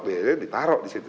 dia ditaro disitu